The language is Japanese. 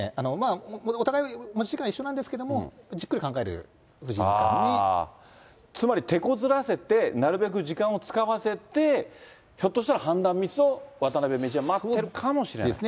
お互い、持ち時間は一緒なんですけれども、じっくり考える藤つまり、手こずらせて、なるべく時間を使わせて、ひょっとしたら判断ミスを渡辺名人は待ってですね。